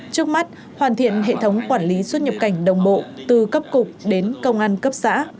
trước mắt hoàn thiện hệ thống quản lý xuất nhập cảnh đồng bộ từ cấp cục đến công an cấp xã